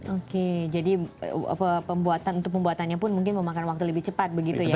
oke jadi pembuatannya pun mungkin memakan waktu lebih cepat begitu ya pak ya